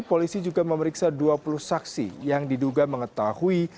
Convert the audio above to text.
polisi juga memeriksa dua puluh saksi yang diduga mengetahui